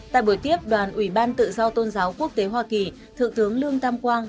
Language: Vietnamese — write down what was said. tại buổi tiếp đoàn ủy ban tự do tôn giáo quốc tế hoa kỳ thượng tướng lương tam quang